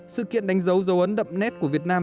sự kiện đánh dấu dấu ấn đậm nét của việt nam